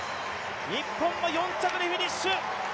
日本が４着でフィニッシュ。